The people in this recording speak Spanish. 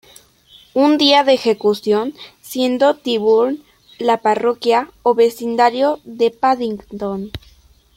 Un día de ejecución, siendo Tyburn la parroquia o vecindario de Paddington.